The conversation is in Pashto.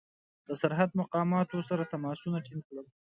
د سرحد مقاماتو سره تماسونه ټینګ کړل.